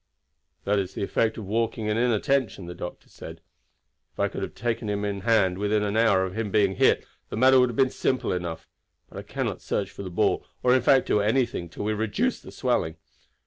"That is the effect of walking and inattention," the doctor said. "If I could have taken him in hand within an hour of his being hit the matter would have been simple enough; but I cannot search for the ball, or in fact do anything, till we have reduced the swelling.